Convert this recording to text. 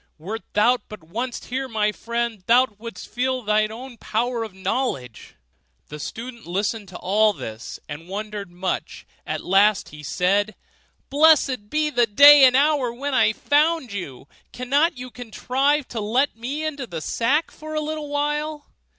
Wert thou but once here, my friend, though wouldst feel and own the power of knowledge. The student listened to all this and wondered much; at last he said, 'Blessed be the day and hour when I found you; cannot you contrive to let me into the sack for a little while?